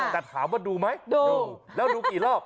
แต่ถามว่าดูไหมดูแล้วดูกี่รอบ